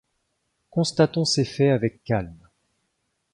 Constatons ces faits avec calme.